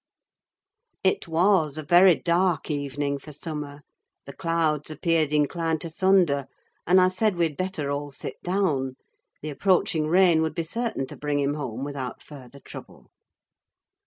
It was a very dark evening for summer: the clouds appeared inclined to thunder, and I said we had better all sit down; the approaching rain would be certain to bring him home without further trouble.